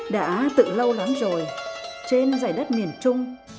đã tự lâu lắm rồi trên giải đất miền trung